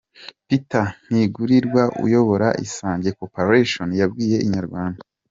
Peter Ntigurirwa uyobora Isange Corporation, yabwiye inyarwanda.